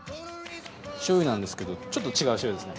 醤油なんですけどちょっと違う醤油ですね。